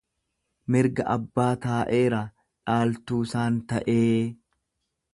Mirga abbaa taa'eera, dhaaltuusaan ta'ee.